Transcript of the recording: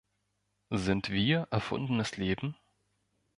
Sind wir erfundenes Leben?